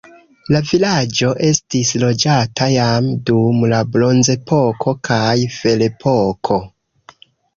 La vilaĝo estis loĝata jam dum la bronzepoko kaj ferepoko.